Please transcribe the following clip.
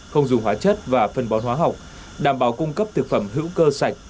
không dùng hóa chất và phân bón hóa học đảm bảo cung cấp thực phẩm hữu cơ sạch